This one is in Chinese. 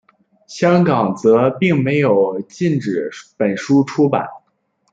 香港则并没有禁止本书出版。